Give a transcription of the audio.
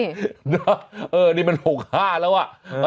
เนี่ยเออนี่มัน๖๕แล้วอ่ะ